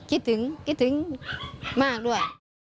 คิดถึงมากด้วย